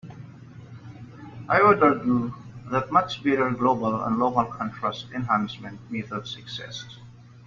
I would argue that much better global and local contrast enhancement methods exist.